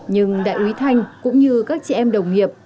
nhưng đại úy thanh cũng như các chị em đồng nghiệp